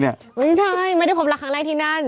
ไม่ใช่ไม่ได้พบรักครั้งแรกที่นั่น